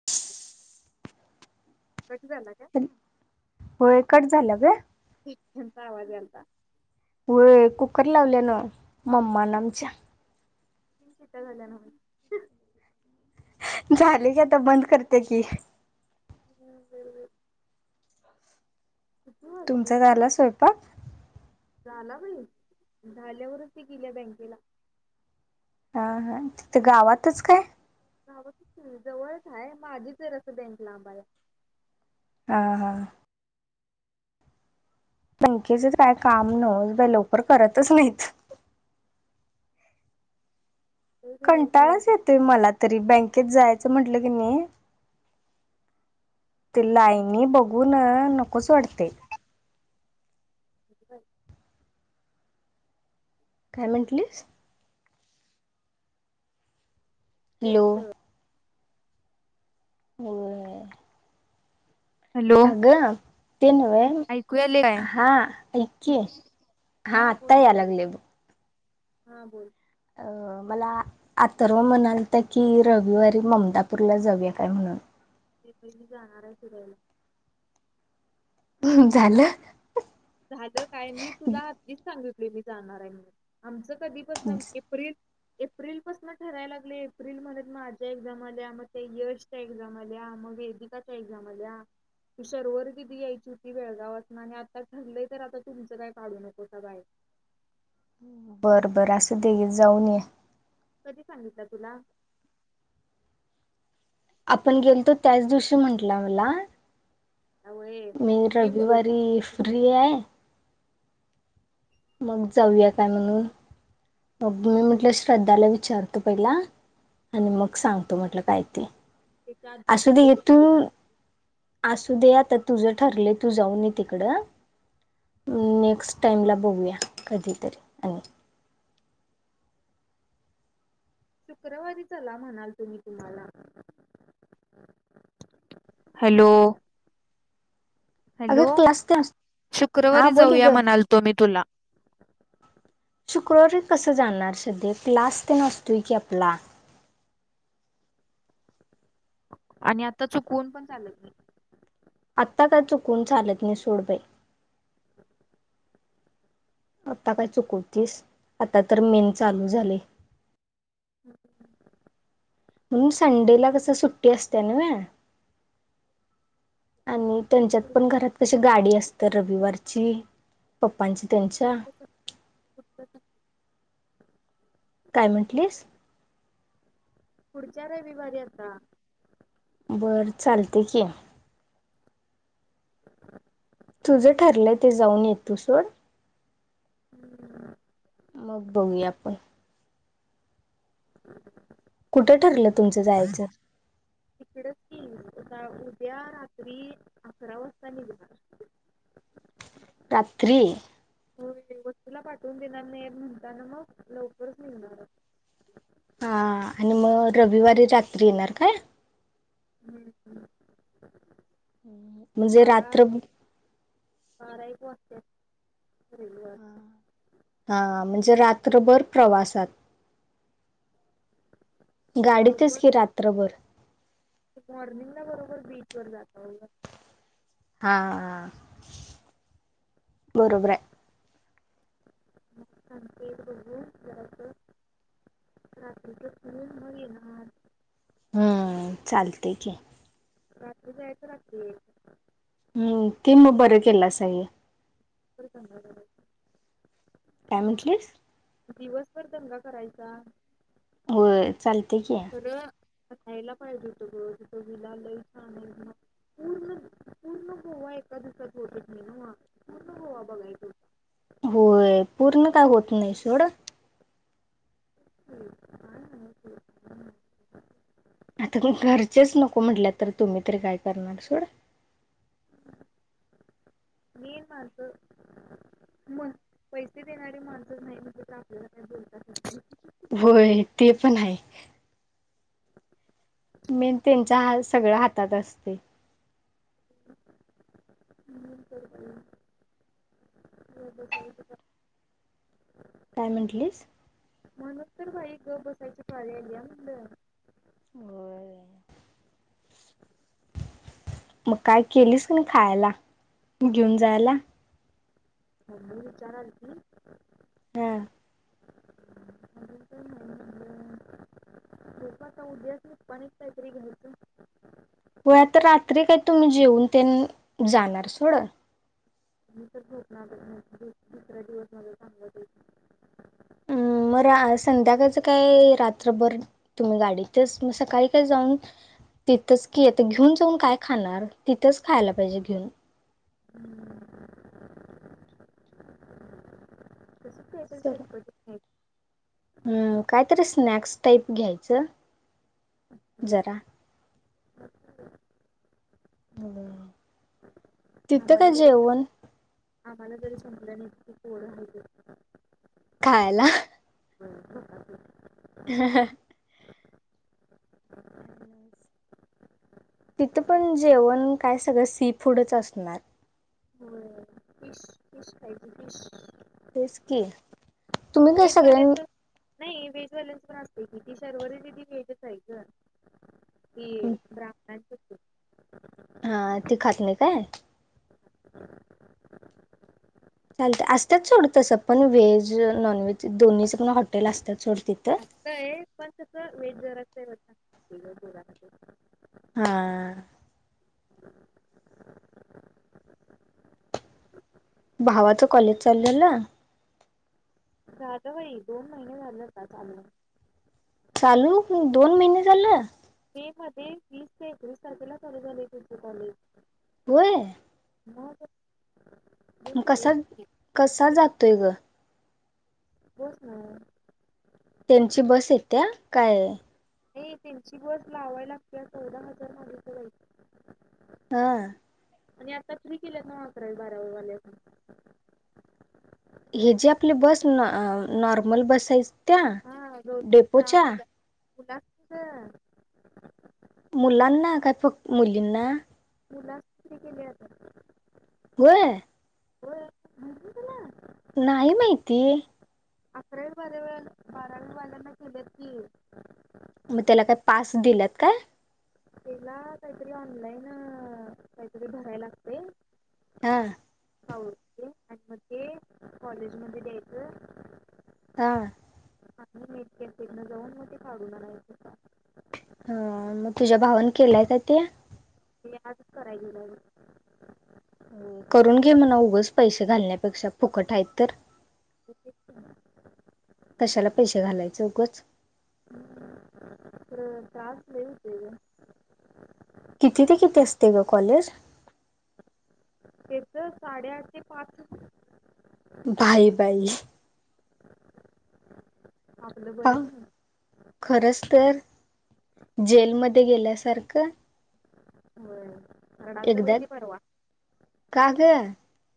[inaudible] Cut झाला का? होय.. कट झाला ग? [unintelligible] होय.. कुकर लावल्यान. मम्मा न आमच्या. तीन शिट्ट्या झाल्या न बाई. झाले की.. आता बंद करते की? ह् [unintelligible] किती वाजले तुमचा झाला स्वयंपाक. झाला बाई झाल्यावरच ती गेल्या बँकेला हा हा तिथं गावातच काय? हव [unintelligible] जवळच आहे माझीच जरा असं बँक लांबा आहे हा हा. पकेच काय काम न बा लवकर करतच नाहीत लय घोळ घोळ कंटाळाच करत्यात येतोय. मला तरी बँक जायाच म्हंटल की नई? ते हम्म लाईनी ब हो.. ना.. नकोच वाटतय? डिजिटल काय म्हंटलीस? हॅलो [unintelligible] हो [unintelligible] हॅलो. अगं ते नव ऐकू यायलय काय? हा ऐक की हा बोल आत्ता याय की लागले बघ हा बोल अ मला आथर्व म्हणालत की रविवारी ममतापूरला जाऊया काय म्हणून? ते प मी जाणार आहे शिरोळ ला. हम झालं. झालं काय मी तुला आधीच सांगितलोय मी जाणार आहे म्हणून आमचं कधी पसन एप्रिल एप्रिल पासन ठराय लागलय एप्रिलमध्ये माझ्या एक्झाम आल्या मग त्या यशच्या एक्झाम आल्या मग वेदीक च्या एक्साम आल्या ती शर्वरी दिदी यायची होती बेळगावासन आणि आता ठरलंय तर आता तुमचं काय काढू नकोसा बाय. बरं बरं असुदे गे जाऊन ये. कधी सांगितलं तुला? आपण गेलतो त्याच दिवशी म्हटला मला आवय मी म रविवारी फ्री आहे. मग जाऊया काय म्हणून मग मी म्हटलं श्रद्धाला विचारतो पहिला आणि मग सांगतो म्हटलं काय ते त्याच्या आधीच असुदे घे सांगितली तू तुला असू दे आता तुझं ठरलय तू जाऊन ये तिकडं. नेक्स्ट टाईमला बघूया कधीतरी आणि. शुक्रवारी चला म्हणालतो मी तुम्हाला. हॅलो. हॅलो अगं क्लास ते हा शुक्रवारी बोल की जाऊया ग म्हणालतो मी तुला. शुक्रवारी कसं जाणार श्रद्दे क्लास तेन असतोय की आपला. आणि आता चुकवून पण चालत नाही. आत्ता का चुकून चालत नाही सोडबाई आता काय चुकवतीस आता तर मेन चालू झालय. ह [unintelligible] म्हणून संडेला कसं सुट सुट्टी असत्या नवे आणि त्यांच्यात पुढ पण घरात क गाडी असत्या रविवारची पप्पांची त्यांच्या [unintelligible] काय म्हटलीस? पुढच्या रविवारी आता. बरं चालतय की. [unintelligible] तुझं ठरलंय ते जाऊन ये तू सोड. हम्. मग बघूया आपण. [unintelligible] कुठं ठरलं तुमचं जायचं? तिकडच की, उद्या रात्री अकरा वाजता निघणार. रात्री? हो. वस्तीला पाठवून देणार नाही म्हणताना मग, लवकरच निघणार. हा, हा. आणि मग रविवारी रात्री येणार काय? हम्, म्हणजे रात्र बारात बारा एक वाजत्यात, रविवारी. हा हा, म्हणजे रात्रभर प्रवासात. गाडीतच बरोबर की रात्रभर. मॉर्निंगला बरोबर बीच वर जातोय. हा हा, बरोबर आहे. [unintelligible] बघू जरासं. रात्रीच फिरून मग येणार हम्म चालतेय. की रात्री जायचं, रात्री या हम्म ते मग बर केलासा हे [unintelligible] काय मटलीस? दिवसभर दंगा करायचा. होय चालतेय. की खरं रायला पाहिजे होत ग, तिथ विला लई छान म पूर्ण पूर्ण गोवा एका दिवसात होतच नाही. पूर्ण गोवा बघाय तो होय पूर्ण काय होत नाही. सोड तेच की काय झालं. [unintelligible] आता घरचेच नको म्हटल्यात तर तुम्ही तरी काय करणार सोड [inaudible] मी माझं पण पैसे देणारी माणसच नाही. मटलीत तर आपल्याला काय बोलताच येत नाही. होय ते पण आहे. [inaudible] मेन त्यांच्या ह सगळ्या हातात असतय. नाही तर काय हो तेऽ [unintelligible] काय मटलीस? म्हणच तर बाई गप्प बसायची पाळी आल्या मणलं, होय. मग काय केलीस नाही. खायला जेऊन जायला? मम्मी विचारालती हम्म. अजून काय नाही म्हनल़ं. [unintelligible] बघु आता उद्याच निपाणीत कायतरी घ्यायचं. होय आता रात्री काय तुम्ही जेऊन त्यांन, जाणार सोड मी तर झोपणार बग दुसरा दिवस माझा चांगला जाईल अं मग संध्याकाळच काय, रात्रभर तुम्ही गाडी तच म सकाळी काय जाऊन तिथंच की येत. घेऊन जाऊन काय खाणार तिथंच खायला पाहिजे घेऊन. तसच कायतरी चटपटीत हम्म कायतरी स्नॅक्स टाईप घ्यायचं जरा. हा, [unintelligible] वय आम्हाला जरी, आम्हाला जरी सपलं नाही तरी पोर आहेतच खायला. हो ह [inaudible] ह ह तिथं पण जेवण काय सगळं सी फूडच असणार. होय फिश फिश खायचं फिश तेच की, तुम्ही काय सगळ्यां व्हेजवाल्याच नाही. व्हेजवाल्याच पण असतंय' की ती शर्वरी दीदी व्हेजच आहे गं ती ब्राह्मणांचच. हा ती खात नाही काय. चालत असतात सोड तसं पण व्हेज नॉनव्हेज दोन्हीच पण हॉटेल असतात सोड तिथं. असतंय पण तसं व्हेज जरासं आहे ठीक [inaudible] [unintelligible] हा. भावाचं कॉलेज चालू झालं? झालं बाई दोन महिने झाले आता चालू होऊन. चालू होऊन दोन महिने झालं. मे मध्ये वीस ते एकवीस तारखेला चालू झालंय त्याचं कॉलेज. होय. मग? दोन मग कुठे कसा, कसा एक जातोय ग? बस न. त्यांची बस येत्या काय. नाही त्यांची बस लावायला लागत चौदा हजार मागितलं बाई. हा. आणि आता फ्री केल्यात ना अकरावी बारावी वाल्याना. हे जे आपली बस, नॉर्मल बस आहेत त्या. हा गव्हर्नमेंटच्या डेपोच्या [inaudible] फुला फुला [unintelligible] मुलांना काय फक्त मुलींना? मुलांना फ्री केले आता. होय. माहित नाही तुला नाही माहिती. अकरावी बाराव बारावी वाल्यांना केल्यात की. मग त्याला काय पास दिल्यात काय? तेला काहीतरी ऑनलाईन काहीतरी भरायला लागतंय. हा. फॉ [unintelligible] कॉलेज मध्ये द्यायचं. हा. आणि हेत [unintelligible] तिथंन जाऊन मग ते काढून आणायचं. ह मग तुझ्या भावन केलाय काय ते? ते आजच कराय गेल्यावर. करून घे म्हणावं उघंच पैसे घालण्यापेक्षा फुकट आहे तर. [unintelligible] कसाला पैसे घालायचं उगंच. [inaudible] [unintelligible] खरं टास्क लय होते ग. किती ते किती असते ग कॉलेज? त‌ साडेआठ ते पाच. भाई बाई. आपल पा बरंच हाय ना. खरंच तर जेलमध्ये गेल्यासारखं. होय. रडालत बाई एकदा ते परवा का ग?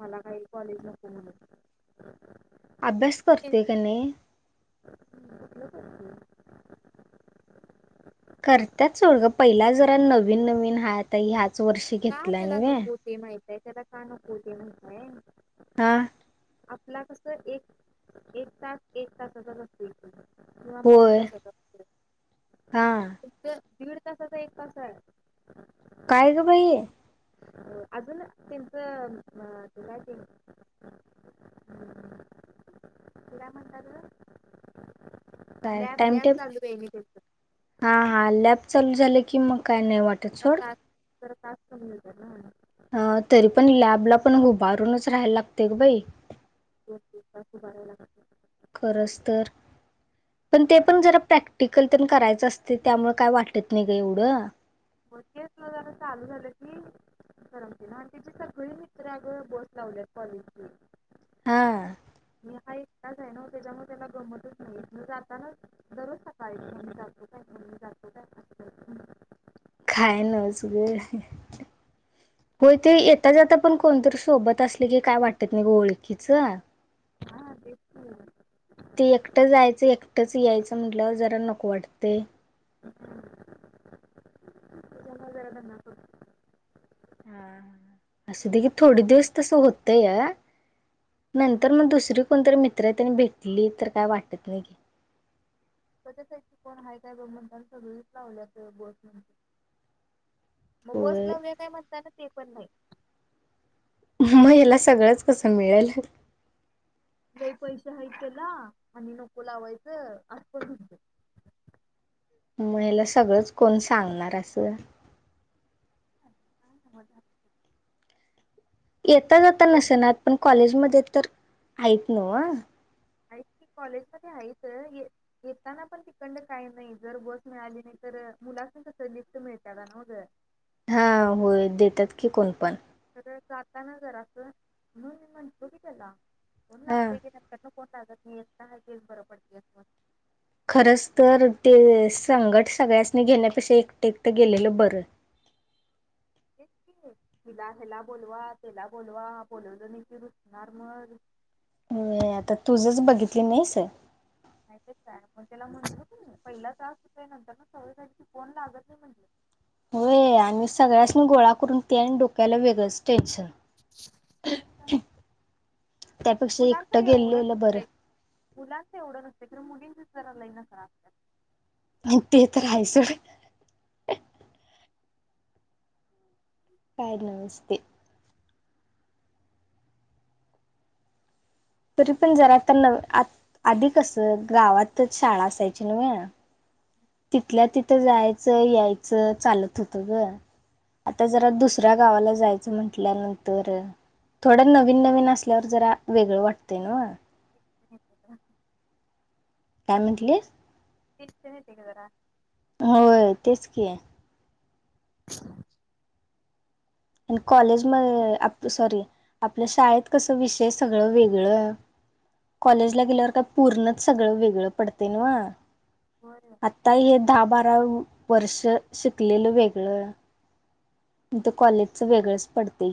मला काही कॉलेज नको म्हणून. अभ्यास करते का नाही? [inaudible] करत्यात सोड ग पहिला जरा नवीन -नवीन हाय आता ह्याच वर्षी. का घेतला तेला नव्हे नको ते ती माहितय त्याला का नको ते माहितय. हां. आपला कस एक तास एक तासाचा रस्ता इकडून. किंवा पाऊण होय हा. दीड तासाचा एक कस आहे? काय ग बाई. अजून त्यांचं ते काय [inaudible] अं, [inaudible] काय लॅब टाइम लॅब टेबल. चालू आहे मी त्यांचं हा -हा लॅब चालू झाले की मग काय नाही वाटत त्या सोड. तास [inaudible] अ तरी पण लॅबला पण उभारूनच राहायला लागते ग बाई. [inaudible] खरंच तर. पण ते पण जरा प्रॅक्टिकल पण करायचं असते. त्यामुळे काही वाटत नाही ग एवढं. [inaudible] चालू झालं की? दि ना आणि त्याची सगळे मित्रग फोन लावल्यात कॉलेजनी. हा. मी हा एक तास आहे ना त्याच्यामुळे त्याला गमतच नाहीये म्हण आता ना दररोज [unintelligible] का जातो काय? मम्मी जातो काय? करतो [inaudible] हो ते येता जताा पण कोणतरी सोबत असले की काय वाटत नाही ग ओळखीच. हा तेेच की. ते एकटं जायचं एकटंच यायचं म्हटलं जरा नको वाटते. त्याच्यामुळे जरा दंगा असं दे की थोडे दिवस तसं होतंय या करतो नंतर मग दुसरी कोणतरी मित्र आहे. त्यांनी भेटली तर काय वाटत नाही. [inaudible] काय- काय गमणता सगळीच लावल्या बस म्हण. मग बस होय लाव्या काय म्हणताना ते पण नाही. मग हिला सगळंच कस मिळेल. लई पैसे आहेत त्याला आणि नको लावायचं आपणत. मग हला सगळंच कोण सांगणार असं. [inaudible] येता जता नसेनात पण कॉलेजमध्ये तर आहेत न. आहेच कॉलेजमध्ये आहेच येताना पण तिकंड काय नई जर बस मिळाली नई तर मुलांसनी कसं लिफ्ट मिलत्यात आणं मग हा होय देत्यात की, कोण पण तर जाताना जरासं म्हणून मी म्हटलो की, त्याला फोन हा लागंतय की नंतर मं फोन लागत नी काय तेच बरं पडतय. खरंच तर ते संगट सगळ्यासनी घेण्यापेक्षा एकट एकट गेलेलं बरं तिला हेला बोलवा तेला बोलवा बोलवलं नई की, रुसणार मग होय. आता तुझच बगितल नईस नाय त काय मग त्याला म्हटलो क पहिला टास्क येतोय नंतर न सवय झाली की फोन लागत नी म्हण होय. आणि सगळ्यास्नी गोळा करून ते आणि डोक्याला वेगळंच टेंशन [unintelligible] त्यापेक्षा मुलांचं एकटं एवढं गेलेलं नसतंय बरं. मुलांचं एवढं नसतय. खर, मुलींचच जरा लई नखरं असत्यात. नाय ते तर हाय सोड काय नसते. तरी पण जरा त आत आधी कसं गावातच शाळा असायची नव्ह तितल्या तितं जायचं यायचं चालत होतं ग आता जरा दुसऱ्या गावाला जायचं म्हटल्यानंतर थोडं नवीन नवीन असल्यावर जरा वेगळं वाटतंय नव्ह. असत्यात काय म्हंटलीस? टेन्शन येतय ग जरा होय. तेच की, आणि कॉलेज म आप सॉरी आपल शाळेत कसं विषय सगळं वेगळं कॉलेजला गेल्यावर काय पूर्णच सगळं वेगळं पडतय नव्ह होय. आता हे दहा बारा वर्ष शिकलेलं वेगळं म त कॉलेचं वेगळंच पडतय